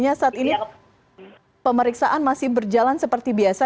artinya saat ini pemeriksaan masih berjalan seperti biasa